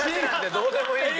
どうでもいいから！